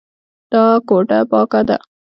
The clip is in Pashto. دا کوټه پاکه ده.